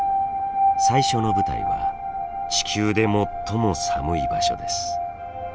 最初の舞台は地球で最も寒い場所です。